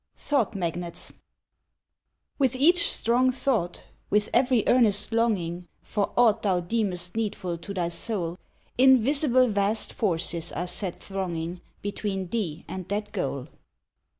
=Thought Magnets= With each strong thought, with every earnest longing For aught thou deemest needful to thy soul, Invisible vast forces are set thronging Between thee and that goal.